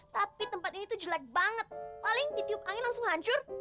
tapi tempat ini tuh jelek banget paling ditiup angin langsung hancur